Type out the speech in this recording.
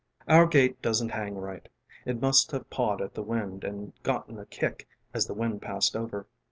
Our gate doesn't hang right. It must have pawed at the wind and gotten a kick as the wind passed over.